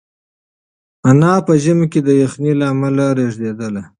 انا په ژمي کې د یخنۍ له امله رېږدېدله.